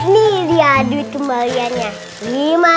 nih dia duit kembaliannya